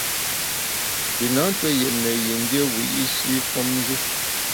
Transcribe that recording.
Nji na ntue yètne yin dié wiyi’shi femnjù.